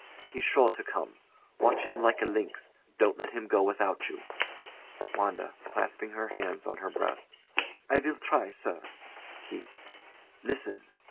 He's sure to come. Watch him like a lynx. Don't let him go without you. WANDA. [Clasping her hands on her breast] I will try, sir. KEITH. Listen!